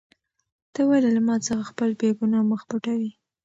ته ولې له ما څخه خپل بېګناه مخ پټوې؟